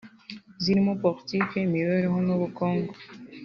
zirimo politiki imibereho n’ubukungu